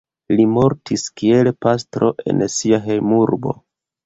Li mortis kiel pastro en sia hejmurbo.